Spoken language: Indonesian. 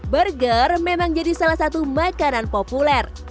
burger memang jadi salah satu makanan populer